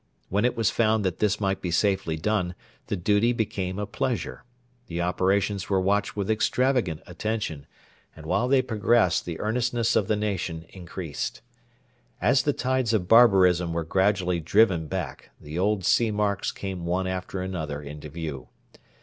When it was found that this might be safely done, the duty became a pleasure. The operations were watched with extravagant attention, and while they progressed the earnestness of the nation increased. As the tides of barbarism were gradually driven back, the old sea marks came one after another into view.